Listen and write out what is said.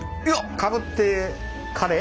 かぶってカレー。